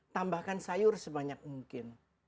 tambahkan sayur sebanyak mungkin